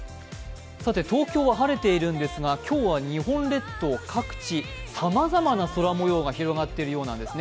さて東京は晴れているんですが今日は日本列島各地さまざまな空もようが広がっているようなんですね。